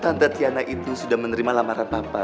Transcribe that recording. tante tiana itu sudah menerima lamaran papa